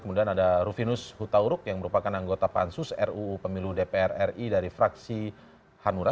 kemudian ada rufinus hutauruk yang merupakan anggota pansus ruu pemilu dpr ri dari fraksi hanura